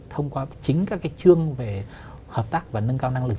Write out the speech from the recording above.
thông qua chính các chương về hợp tác và nâng cao năng lực